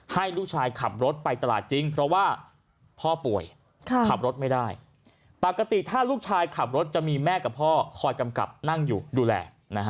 ให้ลูกชายขับรถไปตลาดจริงเพราะว่าพ่อป่วยขับรถไม่ได้ปกติถ้าลูกชายขับรถจะมีแม่กับพ่อคอยกำกับนั่งอยู่ดูแล